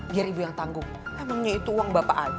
biar ibu yang tanggung